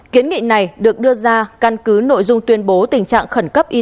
kiến nghị này được đưa ra căn cứ nội dung tuyên bố tình trạng khẩn cấp y